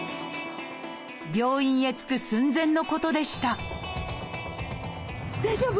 病院へ着く寸前のことでした大丈夫？